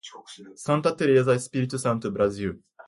Santa Teresa, Espírito Santo, Brasil